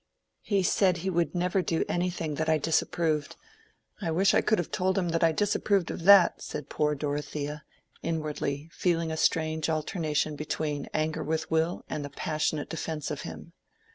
"He said he would never do anything that I disapproved—I wish I could have told him that I disapproved of that," said poor Dorothea, inwardly, feeling a strange alternation between anger with Will and the passionate defence of him.